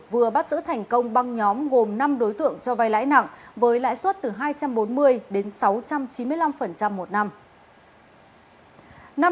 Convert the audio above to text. vừa bắt giữ thành công băng nhóm gồm năm đối tượng cho vay lãi nặng với lãi suất từ hai trăm bốn mươi đến sáu trăm chín mươi năm một năm